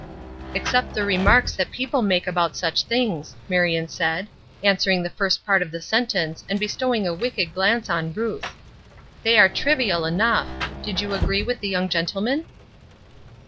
"Except the remarks that people make about such things," Marion said, answering the first part of the sentence and bestowing a wicked glance on Ruth. "They are trivial enough. Did you agree with the young gentleman?"